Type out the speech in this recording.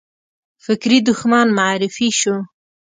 فکري دښمن معرفي شو